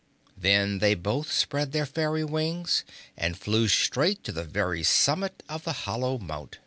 Then they both spread their fairy wings and flew straight to the very summit of the hollow mount.